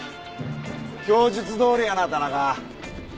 供述どおりやな田中。